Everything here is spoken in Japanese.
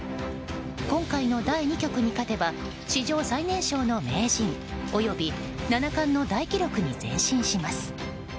今回の第２局に勝てば史上最年少の名人、および七冠の大記録に前進します。